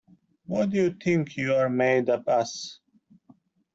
What do you think you're made up as?